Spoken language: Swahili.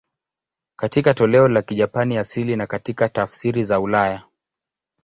Katika toleo la Kijapani asili na katika tafsiri za ulaya.